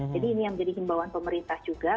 jadi ini yang menjadi himbawan pemerintah juga